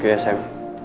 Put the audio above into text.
terima kasih ya sam